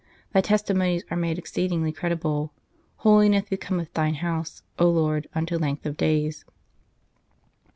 ... Thy testimonies are made exceedingly credible : holi ness becometh Thine house, O Lord, unto length of days."